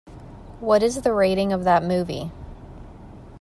What is the rating of that movie?